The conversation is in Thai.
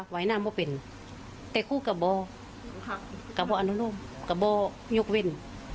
ไว้น้ำว่าเป็นแต่คู่กับบ่ากับบ่าอันนุ่มกับบ่ายกเว้น